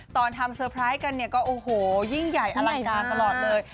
ตอนทำแพดกันเนี่ยก็โอ้โหยิ่งใหญ่อลังกาลตลอดเลย